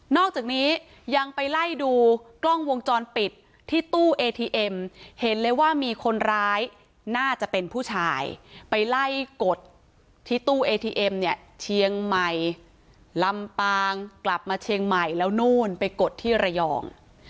อกจากนี้ยังไปไล่ดูกล้องวงจรปิดที่ตู้เอทีเอ็มเห็นเลยว่ามีคนร้ายน่าจะเป็นผู้ชายไปไล่กดที่ตู้เอทีเอ็มเนี่ยเชียงใหม่ลำปางกลับมาเชียงใหม่แล้วนู่นไปกดที่ระยอง